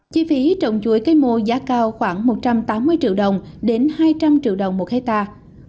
chi phí trồng chuối cây mô giá cao khoảng một trăm tám mươi triệu đồng đến hai trăm linh triệu đồng một hectare